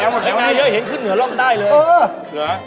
ยังมีงานเยอะเห็นขึ้นเนื้อร่องกันได้เลย